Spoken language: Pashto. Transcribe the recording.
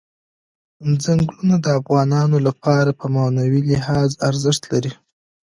ځنګلونه د افغانانو لپاره په معنوي لحاظ ارزښت لري.